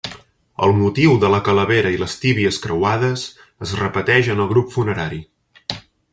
El motiu de la calavera i les tíbies creuades es repeteix en el grup funerari.